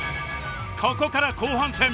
ここから後半戦！